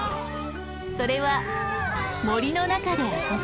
それは森の中で遊ぶこと。